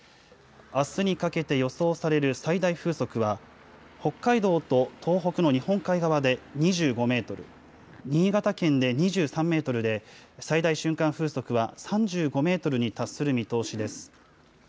あすにかけて予想される最大風速は、北海道と東北の日本海側で２５メートル、新潟県で２３メートルで、最大瞬間風速は３５メートルに達する見通しです。